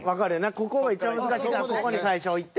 ここがいちばん難しいからここに最初置いて。